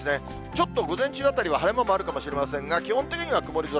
ちょっと午前中あたりは晴れ間もあるかもしれませんが、基本的には曇り空。